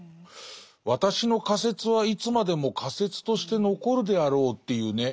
「私の仮説はいつまでも仮説として残るであらう」っていうね。